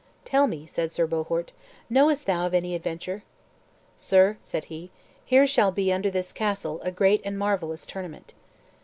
"Tell me," said Sir Bohort, "knowest thou of any adventure?" "Sir," said he, "here shall be, under this castle, a great and marvellous tournament."